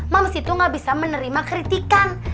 moms itu gak bisa menerima kritikan